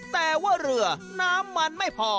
แต่ว่าเรือน้ำมันไม่พอ